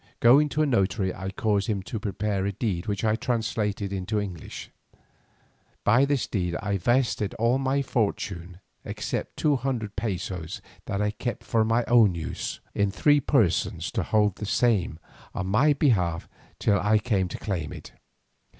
Going to a notary I caused him to prepare a deed which I translated into English. By this deed I vested all my fortune except two hundred pesos that I kept for my own use, in three persons to hold the same on my behalf till I came to claim it.